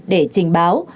để trình báo